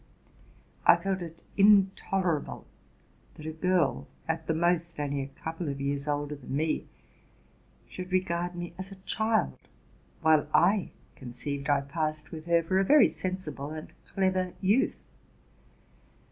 I felt it intolerable that a girl, at the most only a eouple of years older than me, should regard me as a child ; while I conceived I passed with her for a very sensible and clever youth.